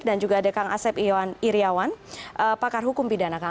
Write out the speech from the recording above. dan juga ada kang asep iryawan pakar hukum pidana